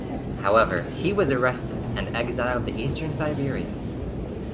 However he was arrested and exiled to Eastern Siberia.